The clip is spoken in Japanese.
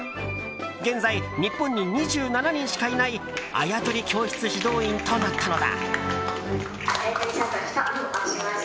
現在、日本に２７人しかいないあやとり教室指導員となったのだ。